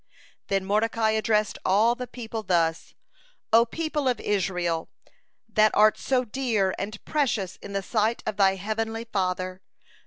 (122) Then Mordecai addressed all the people thus: "O people of Israel, that art so dear and precious in the sight of thy Heavenly Father!